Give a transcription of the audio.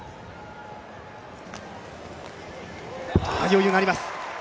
余裕があります。